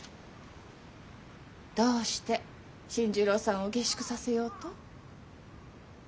どうして新十郎さんを下宿させようと？